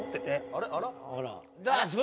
あら。